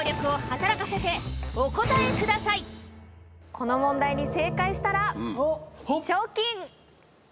この問題に正解したら。